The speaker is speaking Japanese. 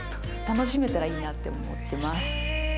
楽しめたらいいなって思ってます。